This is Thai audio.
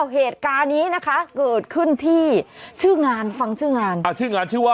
เคยเปิดเกิดขึ้นก็เพียงนับชื่องาน